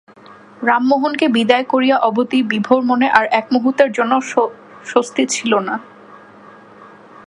রামমোহনকে বিদায় করিয়া অবধি বিভার মনে আর এক মুহূর্তের জন্য শস্তি ছিল না।